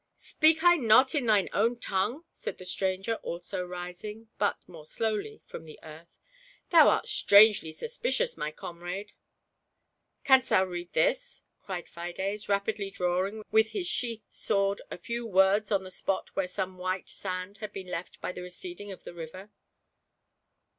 "Speak I not in thine own tongue ?" said the stran ger, also rising, but more slowly, from the earth ;" thou art strangely suspicious, my comrade !"" Can'st thou read this ?" cried Fides, rapidly drawing with his sheathed sword a few words on a spot where some white sand had been left by the receding of the river.